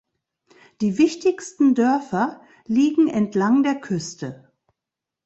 Die wichtigsten Dörfer liegen entlang der Küste.